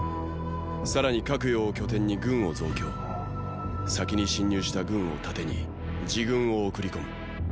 さらに拡陽を拠点に軍を増強先に進入した軍を盾に次軍を送り込む。